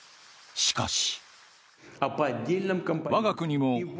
しかし。